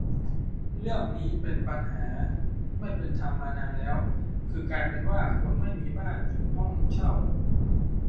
เรื่องนี้เป็นปัญหาไม่เป็นธรรมมานานแล้ว คือกลายเป็นว่า คนที่ไม่มีบ้าน อยู่ห้องเช่า